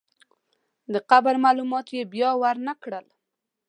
د قبر معلومات یې بیا ورنکړل.